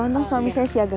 tentang suami saya siada